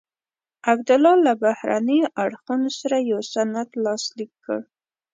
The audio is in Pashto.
عبدالله له بهرنیو اړخونو سره یو سند لاسلیک کړ.